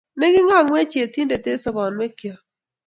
Ne king'ang 'wech Yetindet eng` sobonwekyok.